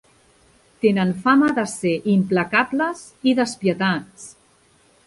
Tenen fama de ser implacables i despietats.